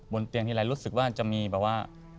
บนเตียงทีไรรู้สึกว่าจะมีแบบว่า